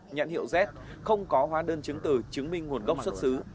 nhãn hiệu z không có hóa đơn chứng từ chứng minh nguồn gốc xuất xứ